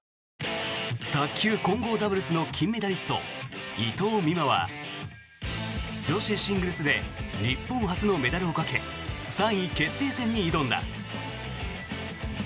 卓球混合ダブルスの金メダリスト伊藤美誠は女子シングルスで日本初のメダルをかけ３位決定戦に挑んだ。